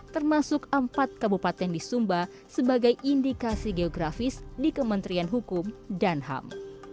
termasuk empat kabupaten di sumba sebagai indikasi geografis di kementerian hukum dan ham